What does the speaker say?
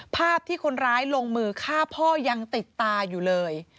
ภาพที่คนร้ายลงมือฆ่าพ่อยังติดตาอยู่เลย